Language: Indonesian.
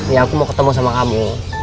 ya aku mau ketemu sama kami